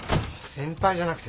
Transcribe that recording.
先輩じゃなくて同期。